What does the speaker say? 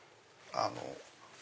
あの。